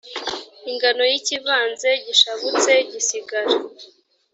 ingano y ikivanze gishabutse gisigara